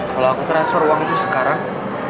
kalau aku transfer uang itu sekarang